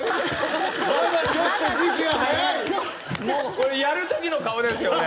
これやるときの顔ですよね。